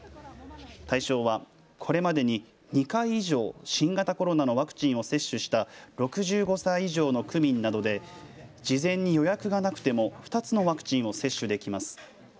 対象はこれまでに２回以上、新型コロナのワクチンを接種した６５歳以上の区民などで事前に予約がなくても２つのワクチンを接種できます。